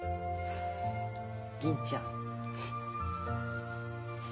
銀ちゃん。